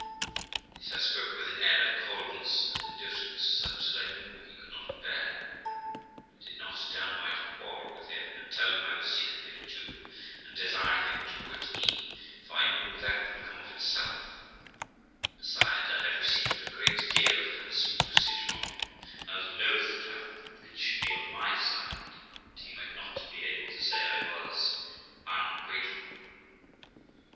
This I spoke with an air of coldness and indifference such as I knew he could not bear; but I did not downright quarrel with him and tell him I was sick of him too, and desire him to quit me, for I knew that would come of itself; besides, I had received a great deal of handsome usage from him, and I was loth to have the breach be on my side, that he might not be able to say I was ungrateful.